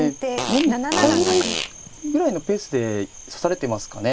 年に１回ぐらいのペースで指されていますかね。